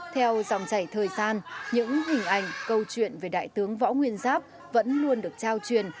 theo dòng chảy thời gian những hình ảnh câu chuyện về đại tướng võ nguyên giáp vẫn luôn được trao truyền